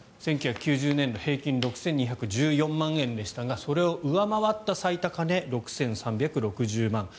１９９０年代平均６２１４万円でしたがそれを上回った最高値６３６０万円。